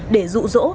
để dụ dụ các nhà hàng